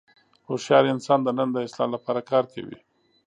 هوښیار انسان د نن د اصلاح لپاره کار کوي.